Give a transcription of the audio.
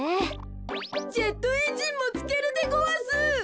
ジェットエンジンもつけるでごわす。